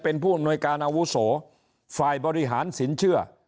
เป็นผู้อำนวยการอาวุโสฝ่ายบริหารสินเชื่อ